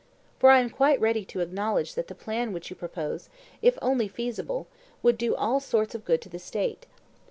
For I am quite ready to acknowledge that the plan which you propose, if only feasible, would do all sorts of good to the State.